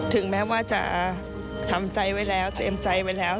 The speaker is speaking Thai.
ถึงแม้ว่าจะทำใจไว้แล้วเตรียมใจไว้แล้ว